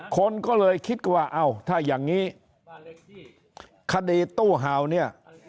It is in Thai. คนก็เลยคิดว่าเอ้าถ้าอย่างนี้คดีตู้เห่าเนี่ย